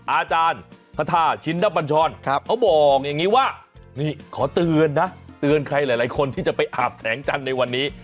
อาจารย์คาทาชินนับบัญชรเขาบอกอย่างนี้ว่านี่ขอเตือนนะเตือนใครหลายคนที่จะไปอาบแสงจันทร์ในวันนี้